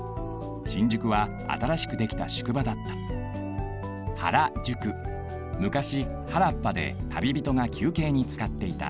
新宿は新しくできた宿場だったむかし原っぱでたびびとがきゅうけいにつかっていた。